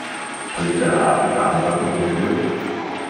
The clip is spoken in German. Trägt der Rat die Verantwortung dafür?